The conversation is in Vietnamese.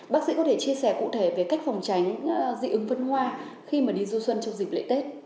bác sĩ có thể chia sẻ cụ thể về cách phòng tránh dị ứng phân hoa khi mà đi du xuân trong dịp lễ tết